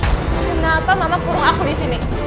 kenapa mama kurung aku disini